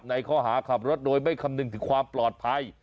ในข้อหาขับรถโดยไม่คำนึงถึงความปลอดภัย